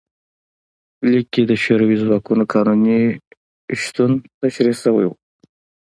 لیک کې د شوروي ځواکونو قانوني شتون تشریح شوی و.